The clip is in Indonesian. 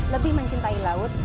lebih mencintai laut